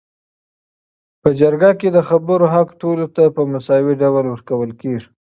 په جرګه کي د خبرو حق ټولو ته په مساوي ډول ورکول کيږي